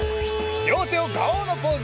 りょうてをガオーのポーズ！